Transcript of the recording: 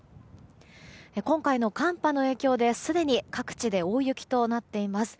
今回の寒波の影響ですでに各地で大雪となっています。